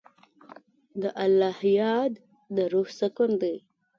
د الله یاد د روح سکون دی.